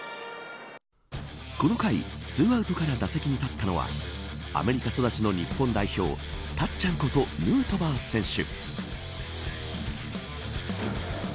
この回、２アウトから打席に立ったのはアメリカ育ちの日本代表たっちゃんことヌートバー選手。